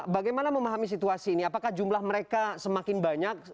bagaimana memahami situasi ini apakah jumlah mereka semakin banyak